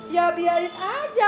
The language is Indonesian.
ya biarin aja